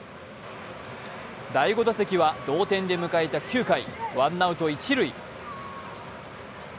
第５打席は同点で迎えた９回ワンアウト一塁。